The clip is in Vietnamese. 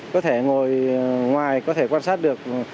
có thể ngồi ngoài có thể quan sát được